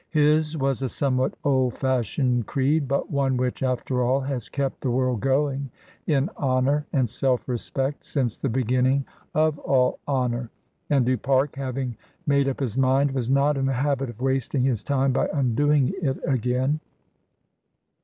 His was a somewhat old fashioned creed, but one which, after all, has kept the world going in honour and self respect since the beginning of all honour, and Du Pare, having made up his mind, was not in the habit of wasting his time by undoing it again.